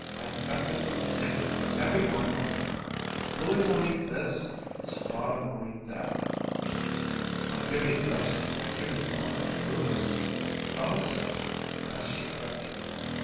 I got to cook different for every one in my family. Louie won't eat this and his father won't eat that!" "I'll give you the recipe when I give you the one for the noodles. Bella says it's the best she ever ate.